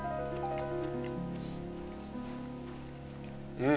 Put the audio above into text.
うん。